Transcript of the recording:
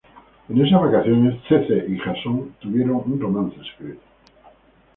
En esas vacaciones, CeCe y Jason tuvieron un romance secreto.